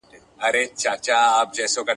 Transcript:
ړانده وویل بچی د ځناور دی !.